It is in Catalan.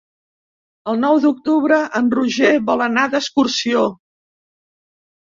El nou d'octubre en Roger vol anar d'excursió.